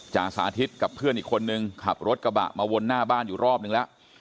สาธิตกับเพื่อนอีกคนนึงขับรถกระบะมาวนหน้าบ้านอยู่รอบนึงแล้ว